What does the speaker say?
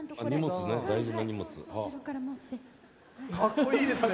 かっこいいですね！